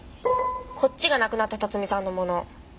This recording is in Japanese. こっちが亡くなった辰巳さんのもの。